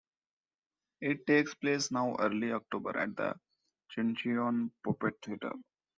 It takes place now early October at the Chuncheon Puppet Theatre.